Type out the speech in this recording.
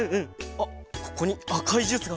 あっここにあかいジュースがある！